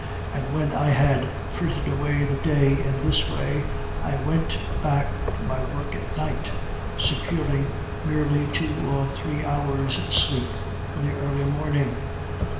And when I had frittered away the day in this way, I went back to my work at night, securing merely two or three hours' sleep in the early morning.